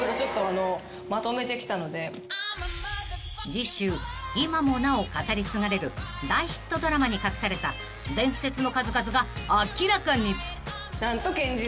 ［次週今もなお語り継がれる大ヒットドラマに隠された伝説の数々が明らかに］